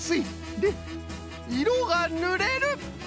でいろがぬれる！